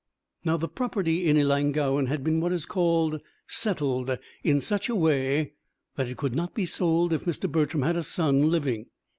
Now the property in Ellangowan had been what is called "settled" in such a way that it could not be sold if Mr. Bertram had a son living.